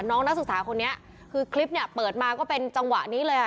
นักศึกษาคนนี้คือคลิปเนี่ยเปิดมาก็เป็นจังหวะนี้เลยค่ะ